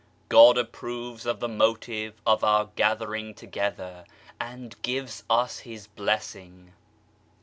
God approves of the motive of our gathering together and gives us His blessing.